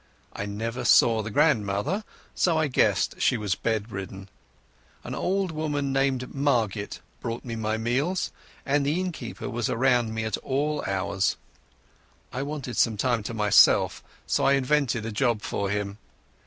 I never saw the grandmother, so I guessed she was bedridden. An old woman called Margit brought me my meals, and the innkeeper was around me at all hours. I wanted some time to myself, so I invented a job for him.